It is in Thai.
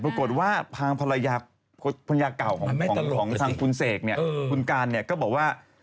ปรากฏว่าทางภรรยาคุณเสกเนี่ยคุณการเนี่ยก็บอกว่า